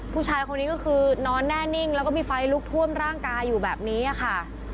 ผู้ชายคนนี้ก็คือนอนแน่นิ่งแล้วก็มีไฟลุกท่วมร่างกายอยู่แบบนี้ค่ะ